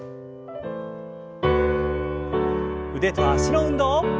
腕と脚の運動。